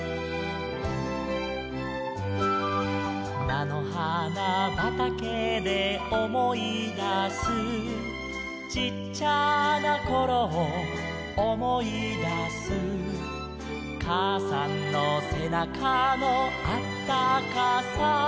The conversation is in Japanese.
「なのはなばたけでおもいだす」「ちっちゃなころをおもいだす」「かあさんのせなかのあったかさ」